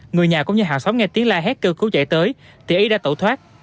người nhà cũng như hàng xóm nghe tiếng la hét cơ cứu chạy tới thì ý đã tẩu thoát